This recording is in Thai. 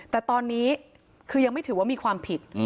แต่ตอนนี้คือยังไม่ถือว่ามีความผิด